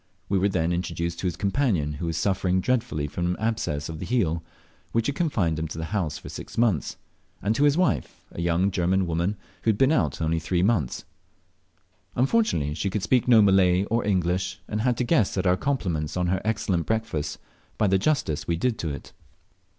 We were then introduced to his companion who was suffering dreadfully from an abscess on the heel, which had confined him to the house for six months and to his wife, a young German woman, who had been out only three months. Unfortunately she could speak no Malay or English, and had to guess at our compliments on her excellent breakfast by the justice we did to it.